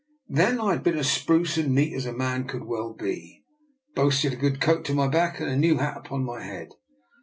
Then I had been as spruce and neat as a man could well be; boasted a good coat to my back and a new hat upon my head.